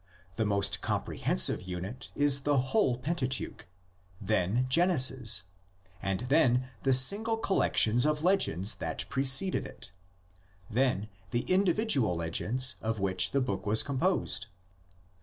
The most comprehensive unit is the whole Pentateuch, then Genesis, and then the single collections of legends that preceded it; then the individual legends of which the book was composed.